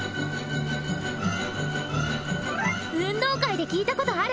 運動会で聴いたことある！